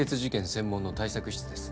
専門の対策室です。